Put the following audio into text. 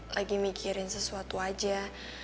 lagi mikirin sesuatu aja